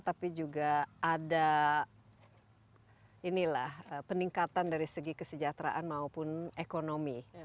tapi juga ada inilah peningkatan dari segi kesejahteraan maupun ekonomi